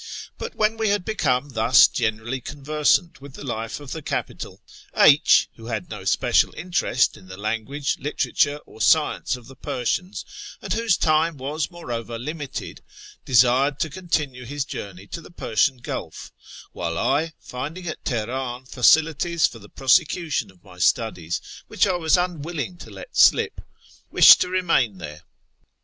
Ihit when we IkuI heeonie thus generally conversant willi the hl'e of the capital, H , who had no special interest in tlie language, literature, or science of the Persians, and whose time was, moreover, limited, desired to continue Ids journey to the Persian Gulf; while I, finding at Tehenin facilities for the prosecution of my studies which I was unwilling to let slip, wished to remain there.